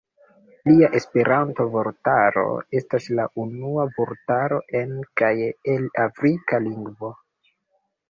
Lia Esperanto-vortaro estas la unua vortaro en kaj el afrika lingvo.